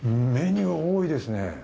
メニュー多いですね。